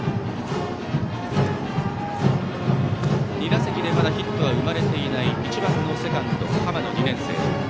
２打席でまだヒットは生まれていない１番のセカンド、浜野２年生です。